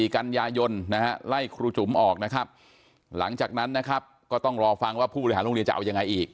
กันยายนนะฮะไล่ครูจุ๋มออกนะครับหลังจากนั้นนะครับก็ต้องรอฟังว่าผู้บริหารโรงเรียนจะเอายังไงอีก